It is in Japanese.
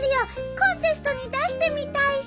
コンテストに出してみたいし。